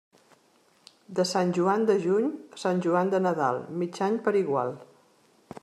De Sant Joan de juny a Sant Joan de Nadal, mig any per igual.